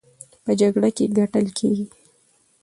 په جګړه کې ګټل کېږي،